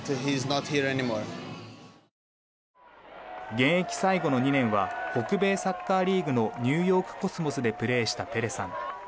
現役最後の２年は北米サッカーリーグのニューヨーク・コスモスでプレーしたペレさん。